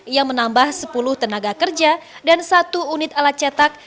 ia menambah sepuluh tenaga kerja dan satu unit alat cetak